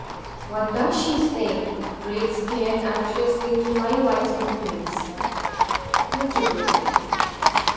"What does she say?" Drake stared anxiously into my whitened face. I told him.